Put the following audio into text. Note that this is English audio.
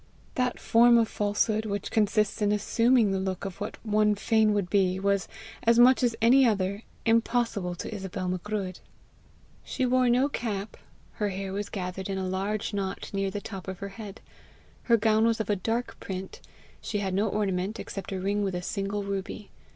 That form of falsehood which consists in assuming the look of what one fain would be, was, as much as any other, impossible to Isobel Macruadh. She wore no cap; her hair was gathered in a large knot near the top of her head. Her gown was of a dark print; she had no ornament except a ring with a single ruby.